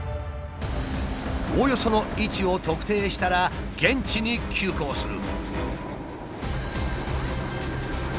おおよその位置を特定したら現地に急行する。